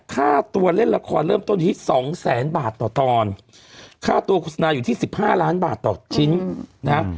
ค่าตัวเล่นละครเริ่มต้นที่สองแสนบาทต่อตอนค่าตัวโฆษณาอยู่ที่สิบห้าล้านบาทต่อชิ้นนะ